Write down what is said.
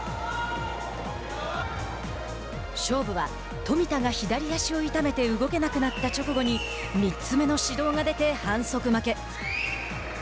勝負は、冨田が左足を痛めて動けなくなった直後に３つ目の指導が出て反則負け。